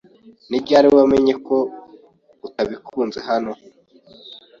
Ni ryari wamenye ko atabikunze hano?